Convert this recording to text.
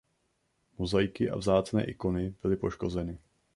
Mozaiky a vzácné ikony byly poškozeny.